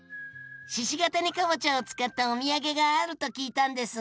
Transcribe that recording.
鹿ケ谷かぼちゃを使ったおみやげがあると聞いたんですが。